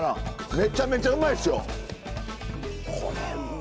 めちゃめちゃうまいですよ！